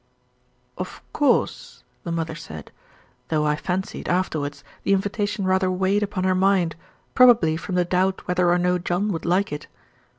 "Of course," the mother said, though I fancied, afterwards, the invitation rather weighed upon her mind, probably from the doubt whether or no John would like it.